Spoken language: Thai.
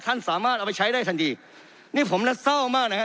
ท่านสามารถเอาไปใช้ได้สั่นดีนี่ผมนะสามารถนะฮะ